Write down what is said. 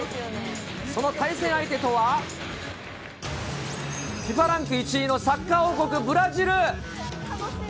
その対戦相手とは、ＦＩＦＡランク１位のサッカー王国、ブラジル。